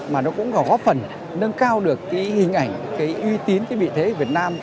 mà nó cũng có phần nâng cao được cái hình ảnh cái uy tín cái vị thế của việt nam